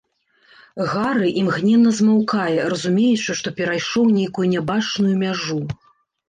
Гары імгненна змаўкае, разумеючы, што перайшоў нейкую нябачную мяжу.